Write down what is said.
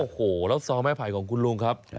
โอ้โหแล้วซองไม้ไผ่ของคุณลุงครับ